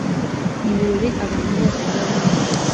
ibirori abantu bose barimo